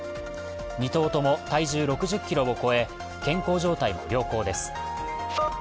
２頭とも体重６０ｋｇを超え健康状態も良好です。